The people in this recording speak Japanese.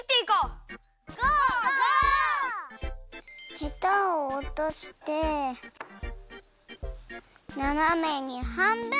ヘタをおとしてななめにはんぶん！